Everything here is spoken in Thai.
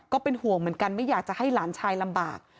ก็เป็นห่วงเหมือนกันไม่อยากจะให้หลานชายลำบาก